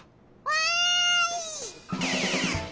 わい！